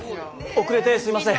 遅れてすいません！